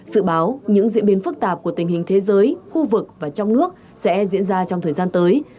sự báo những diễn biến phức tạp của tình hình thế giới khu vực và trong nước sẽ diễn ra trong thời gian tới